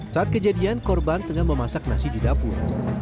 saat kejadian korban tengah memasak nasi di dapur